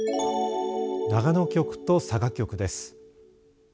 長野局と佐賀局です。